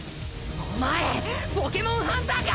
お前ポケモンハンターか！